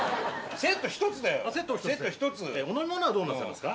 セット１つだよお飲み物はどうなさいますか？